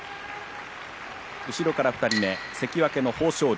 後ろから２人目、関脇の豊昇龍